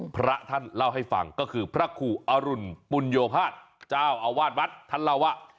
พระท่านเล่าให้ฟังก็คือพระครูอรุณปุญโยภาษเจ้าอาวาสวัดท่านเล่าว่า